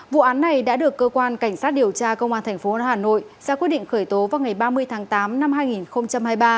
vụ án này đã được cơ quan cảnh sát điều tra công an tp hà nội ra quyết định khởi tố vào ngày ba mươi tháng tám năm hai nghìn hai mươi ba